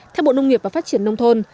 theo bộ nông nghiệp và phát triển đông thôn